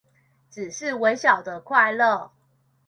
只是微小的快樂